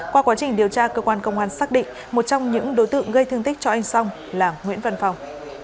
qua quá trình điều tra cơ quan công an xác định một trong những đối tượng gây thương tích cho anh song là nguyễn văn phong